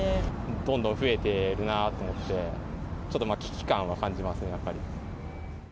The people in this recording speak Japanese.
どんどん増えているなと思って、ちょっと危機感は感じますね、やっぱり。